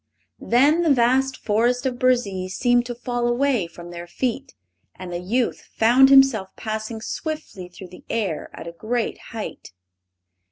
Then the vast forest of Burzee seemed to fall away from their feet, and the youth found himself passing swiftly through the air at a great height.